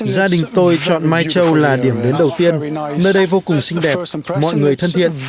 gia đình tôi chọn mai châu là điểm đến đầu tiên nơi đây vô cùng xinh đẹp mọi người thân thiện